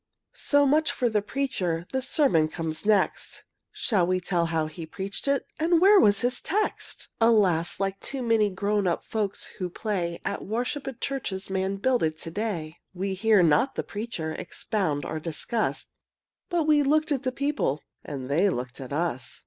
So much for the preacher: The sermon comes next, Shall we tell how he preached it, And where was his text? Alas! like too many Grown up folks who play At worship in churches Man builded to day, We heard not the preacher Expound or discuss; But we looked at the people, And they looked at us.